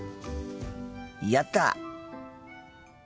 やった！